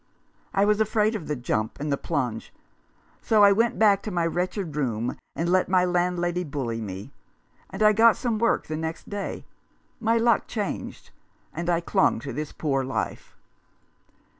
I was afraid of the jump, and the plunge, so I went back to my wretched room, and let my landlady bully me, and I got some work the next day. My luck changed, and I clung to this poor life."